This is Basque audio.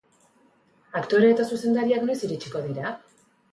Aktore eta zuzendariak noiz iritsiko dira?